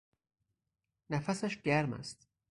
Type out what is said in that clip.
نفسش گرم است